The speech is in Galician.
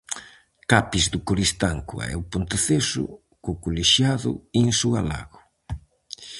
Capis do Coristanco e o Ponteceso co colexiado Insua Lago.